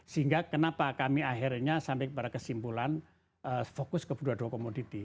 sehingga kenapa kami akhirnya sampai kepada kesimpulan fokus ke dua dua komoditi